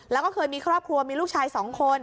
แล้วก็เคยมีครอบครัวมีลูกชาย๒คน